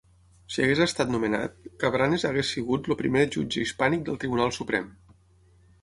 Si hagués estat nomenat, Cabranes hagués sigut el primer jutge hispànic del Tribunal Suprem.